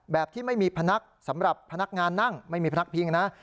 ที่ไม่มีพนักสำหรับพนักงานนั่งไม่มีพักพิงนะ